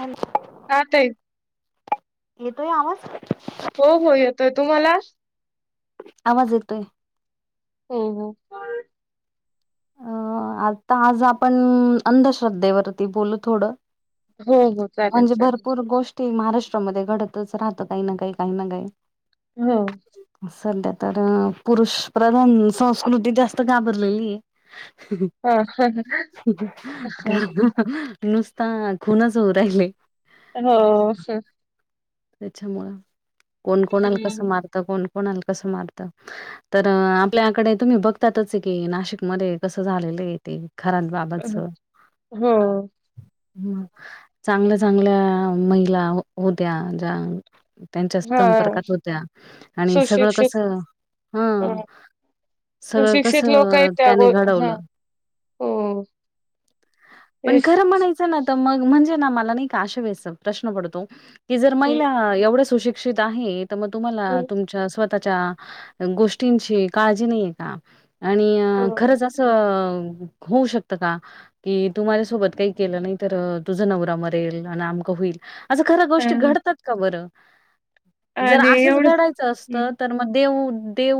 Hello. हा तें. तोय आवाज. हो हो येतोय तुम्हाला. आवाज येतोय. हं. हं. अ आता आज आपण अंधश्रद्धेवरती बोलू थोडं. हो हो चालेल म्हणजे चालेल. भरपूर गोष्ट ते महाराष्ट्रामध्ये घडतच राहतं काही ना काही काही ना काही हो. सध्या तर पुरुष प्रधान संस्कृती जास्त घाबरलेली आहे. हा हा हा नुसता खुणच होऊ राहिले. हो ह त्याच्यामुळं कोण कोणाला कसं हम्म. मारत कोण कोणाला कस मारत तर आपल्याकडे तुम्ही बघतातच की नाशिक मध्ये कसं झालेलं खर बाबतच हो ह चांगल्या चांगल्या महिला होत्या ज्या त्यांच्या हा संपर्कात होत्या आणि सगळं सुशिक्षित कस हा अ सगळं सुशिक्षित लोक आहेत कसं त्या त्याने गो हा घडवलं हो पण तेच खरं म्हणायचं ना म्हणजे मला प्रश् पो ज मव हम्म मग तुम्हाला हम्म, तुमच्या त्याच्या गोष्टींची काळजी नाहीये का आणि हो खरच असं होऊ शक का की तू माझ्यासोबत काही केलं नाही तर तुझ नव मरेल आणि आम होईल खर हा गोष्टी घडतात का बरं जर आणि असंच एवढं घडायचं असत हम्म तर मग देऊ देव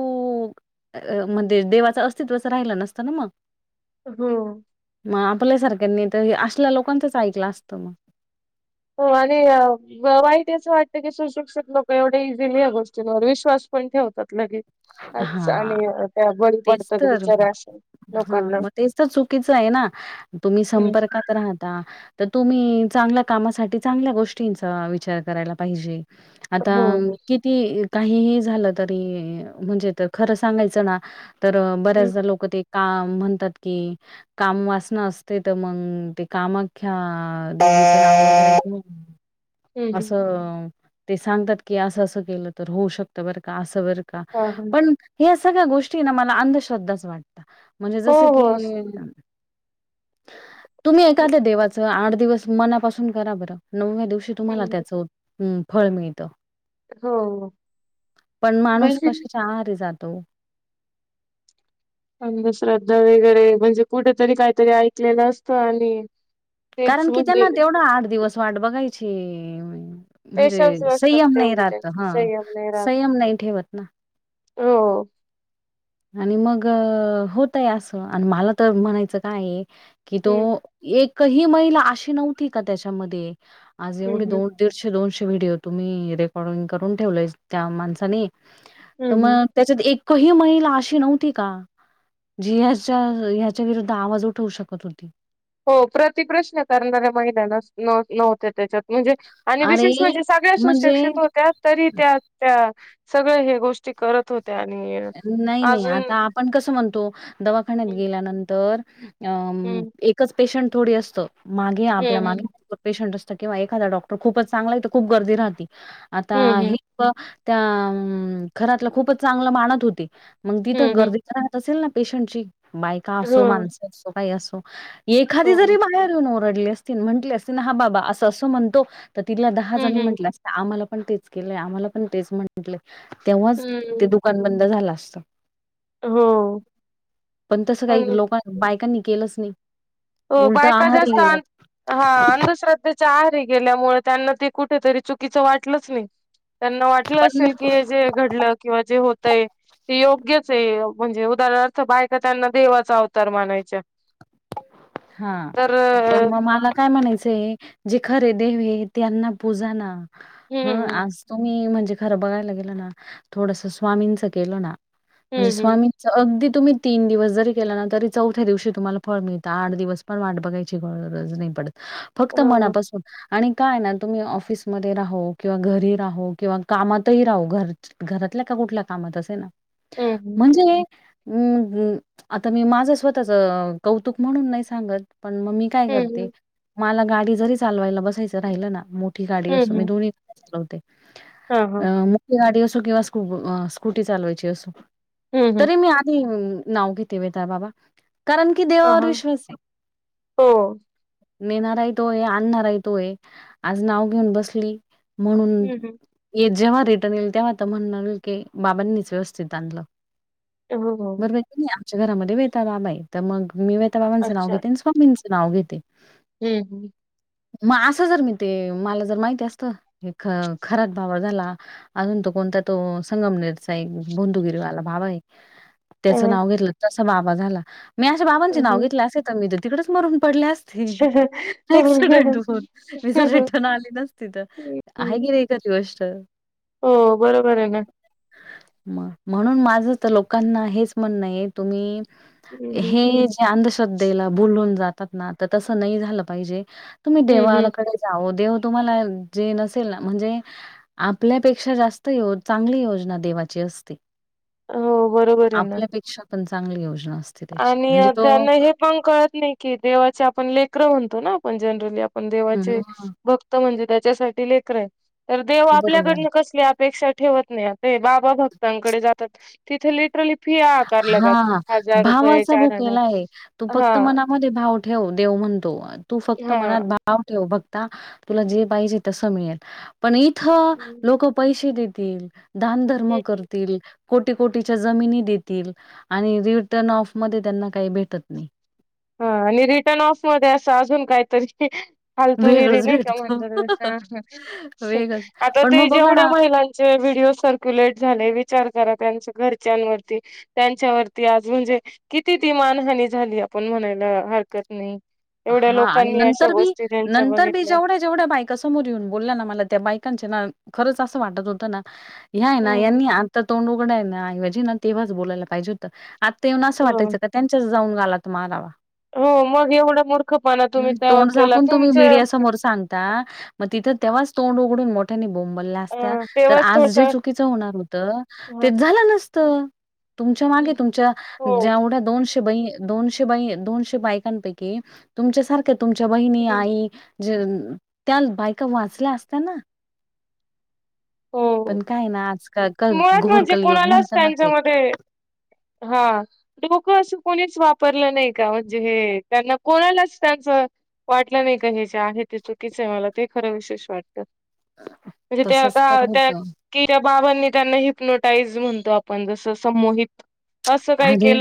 अ म्हणजे देवाचं अस्तित्वच राहिलं नसतं ना मग हो मग आपल्या सारख्यानी तर असल्या लोकांचंच ऐकलं असतं मग हो आणि वाईट असं वाटत की सुशिक्षित लोक एवढे इझी नाही आहे गोष्टींवर विश्वास पण ठेवतात लगे हा तेच पडतात तर म बिचाऱ्या अशा हा लोकांना. मग तेच तर चुकीच आहे तुम्ही हं, संपर्कात राहता तर तुम्ही चांगल्या कामासाठी चांगल्या गोष्टींचा विचार करायला पाहिजे आता हो, हो. किती काहीही झालं तरी म्हणजे खरं सांगायचं ना तर हं, बऱ्याचदा लोक ते का म्हणतात की काम वासनं असते तर मग ते कामाख्या ह हं, हं. असं ते सांगतात की असं असं केलं तर होऊ शकतं बरं का असं बर का हां, हां. पण ह सगळ्या गोष्टी ना मला अंधश्रद्धाच वाटत म्हणजे हो, जस हो. की असं तुम्ही एखाद्या देवाच आठ दिवस मनापासून करा बरं नवव्या दिवशी तुम्हाला हं, त्याचं फळ मिळतं हो. पण माणूस म्हणजे कशाच्याहरे जात त्तो अंधश्रद्धा वगैरे म्हणजे कुठेतरी काहीतरी ऐकलेलं असतं आणि तेच कारण कि म्हणजे त्यांना तेवढा आठ दिवस वाट बघायची म्हणजे पेशन्स नसतात संयम नाही तेवढे राहत त्यांचे हा संयम नाही राहत. संयम नाही ठेवत ना हो आणि मग होतय असं आणि मला तर म्हणायचं काय कि तो हं, एकही महिला अशी नव्हती का त्याच्यामध्ये आज हं, एवढे हं. दोन दीडशे दोनशे व्हिडिओ तुम्ही रेकॉर्डिंग करून ठेवलंय त्या माणसानी हं, तर हं. मग त्याच्यात एकही महिला न्ह का विरूध्द उठवू शकत होती हो प्रति प्रश्न करणाऱ्या महिन्याना नव्हते त्याच्यात म्हणजे आणि अरे विशेष म्हणजे सगळ्या म्हणजे सुशिक्षित होत्या तरी त्या त्या सगळे हे गोष्टी करत होते नाही नाही आता आपण कसं म्हणतो दवाखान्यात हं, गेल्यानंतर अ हं, एकच पेशंट थोडी असतं मागे आपल्या हं, हं. मागे पेशंट असतो किंवा एखादा डॉक्टर खूपच चांगला खूप गर्दी राह आता हं, हं. हे त्या खरातलं खूपच चांगलं माणत होती मग तिथं हं, हं. गर्दीच राहत असेल ना पेशंटची बाय का हो, असो माणस असो काही असो एखादी हो. जरी बाहेर येऊन अस ह बा अस अस म्हणतो तर तिला दहा ज हं, हं. म्हट आम्हा पण तेच केलंय आम्हाला पण तेच म्हंटले तेव्हाच ते हं. दुकान बंद झालं असत हो. पण तस काही लोकां बायकांनी केलंच नाही. हो उलट बायका आहारी जास्त गेलं आं हां अंधश्रद्धेच्या आहारी गेल्यामुळे त्यांना ते कुठेतरी चुकीचं वाटलंच नाही. त्यांना वाटलं पण असेल की हे जे घडलं किंवा जे होतय ते योग्य यच म्हणजे उदाहरणार्थ बायका त्यांना देवाचा अवतार मानाच्या. हा पण मग मला काय म्हणायचंय आहे जे खरे देव त्यांना पूजा ना ह हं, आज तुम्ही म्हणजे खर बघायला गेल ना थोडसंच स्वामीचं केल ना म्हणजे हं, हं. स्वामींच अगदी तुम्ही तीन दिवस जरी केला ना तरी चौथ्या दिवशी तुम्हाला फळ मिळत आठ दिवस पण वाट बघायची गरजच नाही पडत फक्त हां. मनापासून आणि काय ना तुम्ही ऑफिसमध्ये राहो किंवा घरी राहो किंवा कामातही राहू घरच घरात कुठल्या का कुठल्या कामात असे ना हं, हं. म्हणजे आता मी माझं स्वतःच कौतुक म्हणून नाही सांगत पण मग मी काय हं, करते हं. मला गाडी जरी चालवायला बसायचं राहिलं ना मोठी गाडी हं, असो. मी हं. दोन्ही चालवते हां, हां. अ मोठी गाडी असो किंवा वा स्कूटी चालवायची असो हं, हं. तरी मी आधी नाव घेते वेताल बाबा कारण कि हां, देवावर हां. विश्वास आहे हो. नेणाराही तो हे आणणाराही तो हे आज नाव घेऊन बसली म्हणून हं, हं. ये जेंव्हा रिटर्न येईल तेव्हा आता म्हणल की बाबांनीच व्यवस्थित आणलं हों हों च्या घरामध्ये वेताळ बाबा आहे. तर मग मी वेताबाबांचं नाव घेते. आणि स्वामींचं नाव घेते. हम्म हम्म म आसं जर मी ते मला जर माहिती असत हे ख खरात बाबा झाला अजून तो कोणता तो संगमनेरचा एक बोंधुगिरीवाला बाबा आहे अ त्याचं नाव घेतलं तस बाबा झाला मी अशा बाबांचे नाव अच्छा. घेत तर तिकडेच मरून पडले असते [inaudible] [inaudible] मी जर रिटर्न आली नसते तर एकच गोष्ट हो बरोबर आहे ना म म्हणून माझ तर लोकांना हेच म्हंण आहे तुम्ही हम्म हे जे अंधश्रद्धेला बोलून जातात ना तर तसं नाही झालं पाहिजे. तुम्ही हम्म देवालाकडे जाऊ देव तुम्हाला जे नसेल म्हणजे आपल्यापेक्षा जास्त चांगली योजना देवाची असते. हो बरोबर आहे ना आपल्यापेक्षा पण चांगली योजना असते त्याची आणि म्हणजे अ, तो त्यांना हे पण कळत नाही की देवाचे आपण लेकर म्हणतो ना आपण जनड्रली देवाचे हं, भक्त म्हणजे त्याच्यासाठी लेकर आहे तर देव बरोबर. आपल्याकडन कसले अपेक्षा ठेवत नाही बाबा भक्तांकडे जातात तिथे लिट्रली फी ह आकारला हां, जातात हजार रुप भावाचा भूकेला आहे. तू फक्त मनामध्ये भाव ठेव देव म्हणतो तू फक्त हा. मनात भाव ठेव भक्ता तुला जे पाहिजे तस मिळेल पण इथं लोक पैसे देतील दानधर्म करतील कोटी कोटीच्या जमिनी देतील आणि रिटर्न ऑफ मध्ये त्यांना काही भेटत नाही. हा आणि रिटर्न ऑफ मध्ये असं अजून काहीतरी फालतुगिरी वेगळंच नाही का भेटतं. म्हणजे कसं वेगळंच. आता पण मग ते बघा जेवढ्या ना महिलांचे व्हिडिओ सर्क्युलेट झाले विचार करा त्यांच्या घरच्यांवरती त्यांच्यावरती आज म्हणजे किती ती मान हनी झाली पण म्हणायला हरकत नाही एवढ्या हा आणि लोकांनी अशा नंतर बी गोष्टी त्यांच्या नंतर बी बघितल्या जेवढ्या जेवढ्या बायका समोर येऊन बोलल्या ना मला त्या बायकांच्या ना खरंच असं वाटत होतं ना ह्याय ना हम्म. यांनी आता तोंड ऐजी तेवच बोलायला पाहिजे होत आता असं वाटायचं हो का त्यांच्या जाऊन गाला त मारावा हो म हम् तोंड झाकून तुम्ही तुमचं मीडिया समोर सांगता मग तिथं तेव्हा तोंड उघडून मोठ्यानी बोंबलल्या असत्या अ तर तेव्हाच आज जे थोडसं चुकीचं होणार होत हा. तेच झालं नसत तुमच्या मागे तुमच्या हो ज्यावढ्या दोनशे बाई दोनशे बाई दोनशे बायकांपैकी क तुमच्या सारख्या तुमच्या बहिणी आई ज त्या बायका वाचल्या असत्याना पण हो. काय ना आजकाल क मुळात म्हणजे घोरकलयुग कोणालाच म्हणत ना ते त्यांच्यामध्ये हा त असं कोणीच वापरलं नाही का म्हणजे हे त्यांना कोणालाच त्यांच वाटलं नाही का हे आहे ते चुकीच आहे मला ते खरं विशे वा म्हणजे त्या तसंच का तर त्या होतं. कि त्या बाबांनी त्यांना ह हेपनोटाईज म्हणतो आपण जसं समहित असं अरे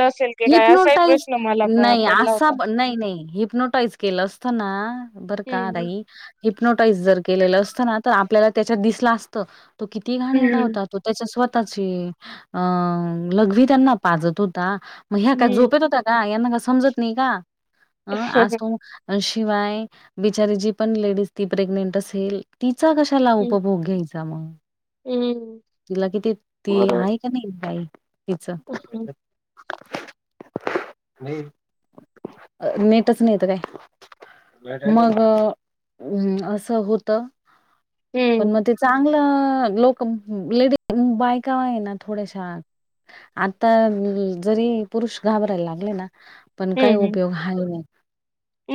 असाही हिपनोटाईज प्रश्न मला प नाही पडला असा होता नाही नाही हिपनोटाईज केलं असताना ह बर का हम्म आई हिप्नोटाईज जर केलेलं असतं ना तर आपल्याला त्याच्यात दिसलं असत तो किती घाणेरडा हम्म होता तो त्याच्या स्वतःची अ लघवी त्यांना पाजत होता मग ह्या काय झोपेत होत्या का यांना का समजत नाही का अं हम्म आजो शिवाय बिचारी जी पण लेडीज ती प्रेग्नेंट असेल ती चा कशाला उपभोग घ्यायचा मग हम्म तिला किती ती बरोबर आहे का नाही बाई तिच हम्म नेतच नाहीेत काय मगम असं होत पण मग ते चांगलं लोक लेडी म बायका आहे ना थोड्याश आता जरी पुरुष घाबरायला लागले ना पण काही हम्म हम्म उपयोग हय नाही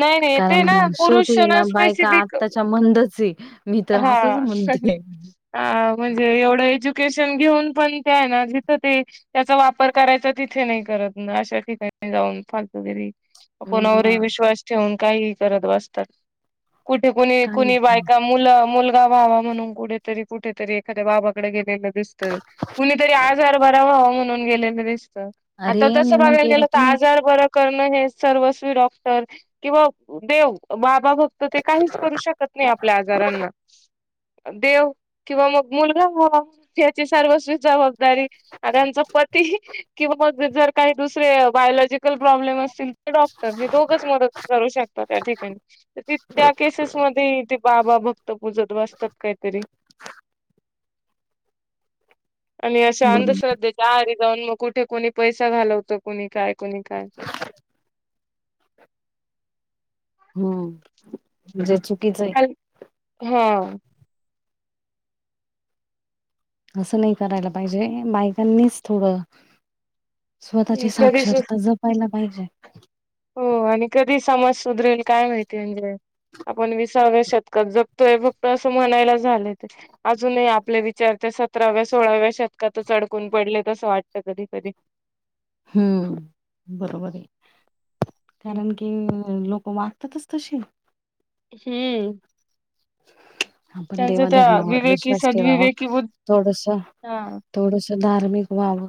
नाही नाही ते ना कारण शेवटी आहे पुरुषना ना बायका स्पेसिफिक आत्ताच्या मंदच आहे मी तर असंच हा म्हणते म्हणजे ुकेशन घेऊन पण जिथ त्याचा वापर करायच तिथे नाही कर अ ठिकाणी जाऊन फ वगैरे कोणावरही मग विश्वास ठेवून काहीही करत बसतात कुठे कुणी काय कुणी बायका मुगावा म्हणून कु कुठेतरी एखाद्या बाकडे गेलेलं दिसत कुणीतरी आ अरे मी म्हणते आ तुम्ही सर्व ड क फक्त ते काहीच करू शकत नाही आपल्या आजारांना देव किंवा मग मुलगा ह हचे सर्वस्वी जाव त्यां पती किंवा मग जर काही दुसरे बायोलॉजिकल प्रॉब्लेम असतील डॉक्टर हे दोघच मदत करू शकतात त्या ठिकाणी त त्या केसेस मध्ये बाबा भक्त पूजत वासतात काहीतरी आणि अं बरोबर अंधश्रद्धेच्या आहारी जाऊन मग कुठे कोणी पैसा घालवत कोणी काय कोणी काय हम जची हा असं नाही करायला पाहिजे बायकांनीच थोडं स्वतःची कधी सु साक्षरता जपायला पाहिजे हो आणि कधी समज सुधरेल काय माहिती म्हणजे आपण विसाव्या शतकात जगतोय फक्त अस म्हणायला झाले ते अजूनही आपले विचार सतराव्या सोळाव्या शतकात चडकून पडले तसं वाटत कधी कधी हम्म बरोबर आहे कारण की लोक माग ततच तशी हम्म आपण त्यांचं त्या देवाधर्मावर विवेकी विश्वास ठेवावा सदविवेकी बुद्ध थोडस हा थोडस धार्मिक व्हाव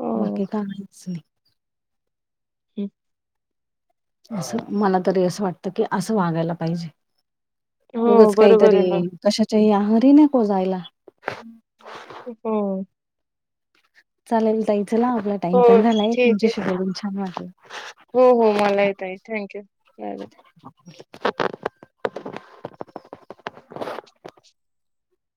हो बाकी काहीच नाही हम् असं मला तरी असं वाटतं की असं वागायला पाहिजे हो उगच बरोबर आहे काहीतरी ना कशाच्या ह आहारी नाही कोो जायला होम चालेल त च ना आपला टाइम हो पण झालाय ठीक तुमच्या आहे शिवाडून छान वाटलं हो हो मलाहीेत आहे थँक यू [inaudible]